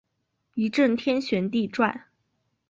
一阵天旋地转